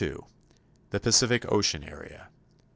The Pacific Ocean Area.